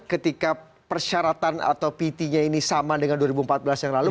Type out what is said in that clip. ketika persyaratan atau pt nya ini sama dengan dua ribu empat belas yang lalu